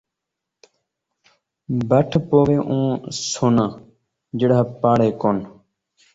بٹھ پووے او سونا جیڑھا پاڑے کن